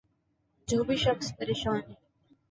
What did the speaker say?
جو بھی شخص پریشان ہے